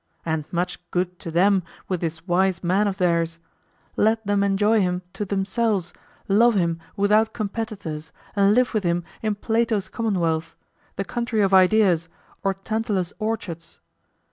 And much good to them with this wise man of theirs; let them enjoy him to themselves, love him without competitors, and live with him in Plato's commonwealth, the country of ideas, or Tantalus' orchards.